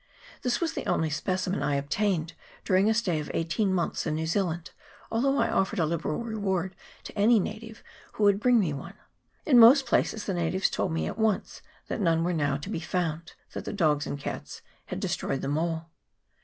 This was the only specimen I obtained during a stay of eighteen months in New Zealand, although I offered a liberal reward to any native who would bring me one. In most places the natives told me at once that none were now to be found, that the dogs and cats had destroyed them all.